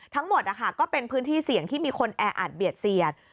ทั้งหมดก็เป็นพื้นที่เสี่ยงที่มีคนแออัดเบียดเสียด